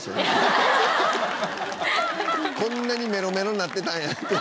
「こんなにメロメロになってたんやって」